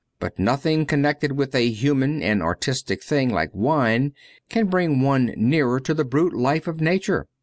But nothing connected with a human and artistic thing like wine can bring one nearer to the brute life of Nature.